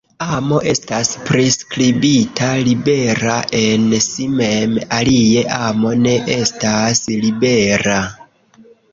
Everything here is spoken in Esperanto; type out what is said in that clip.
Amo estas priskribita libera en si mem, alie amo ne estas libera.